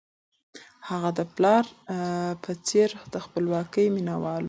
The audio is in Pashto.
هغه د خپل پلار په څېر د خپلواکۍ مینه وال و.